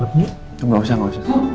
oke langsung aja kitaenti babi